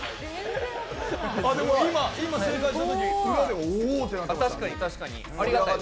今、正解したとき裏で、おってなってた。